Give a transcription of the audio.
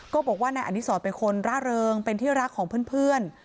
ก็บอกว่านายอดีศรเป็นคนร่าเริงเป็นที่รักของเพื่อน